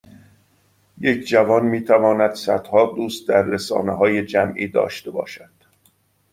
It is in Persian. یک جوان میتواند صدها دوست در رسانههای جمعی داشته باشد